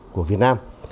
của việt nam